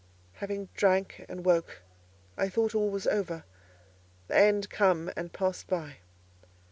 Having drank and woke, I thought all was over: the end come and past by.